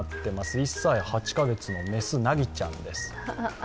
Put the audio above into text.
１歳８カ月の雌、凪ちゃんです。